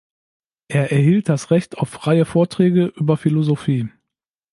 Er erhielt das Recht auf freie Vorträge über Philosophie.